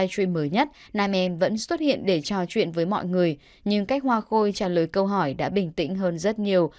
live mới nhất nam em vẫn xuất hiện để trò chuyện với mọi người nhưng cách hoa khôi trả lời câu hỏi đã bình tĩnh hơn rất nhiều